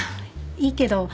いいけど。